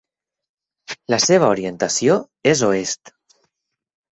La seva orientació és Oest.